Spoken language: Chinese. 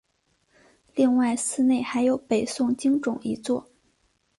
另外寺内还有北宋经幢一座。